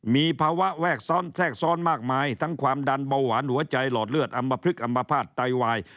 มีภาวะแสกซ้อนมากมายทั้งความดันเบาหวานหัวใจหลอดเลือดอัมพฤกษ์อัมพภาษณ์ไตวาย